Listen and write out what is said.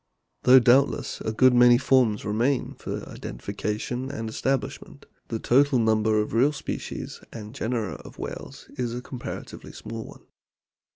Though doubtless a good many forms remain for identification and establishment, the total number of real species and genera of whales is a comparatively small one.